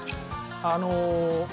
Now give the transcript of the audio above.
あの。